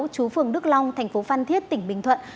chú phường đức long tp phân thiết tp bình thuận